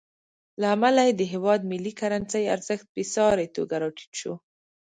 له امله یې د هېواد ملي کرنسۍ ارزښت بېساري توګه راټیټ شو.